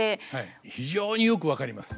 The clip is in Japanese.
非常によく分かります。